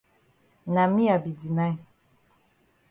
Na me I be deny.